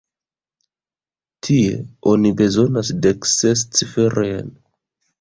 Tie, oni bezonas dek ses ciferojn.